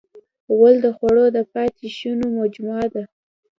غول د خوړو د پاتې شونو مجموعه ده.